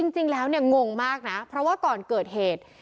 จริงแล้วเนี่ยงงมากนะเพราะว่าก่อนเกิดเหตุ